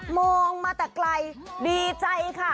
มองมาแต่ไกลดีใจค่ะ